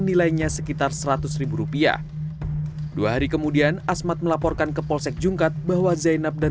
nilainya sekitar seratus ribu rupiah dua hari kemudian asmat melaporkan ke polsek jungkat bahwa zainab dan